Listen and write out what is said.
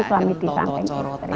suami di samping istri